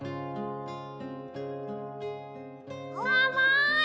あまい！